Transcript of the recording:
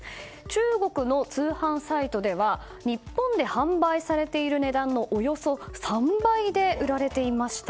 中国の通販サイトでは日本で販売されている値段のおよそ３倍で売られていました。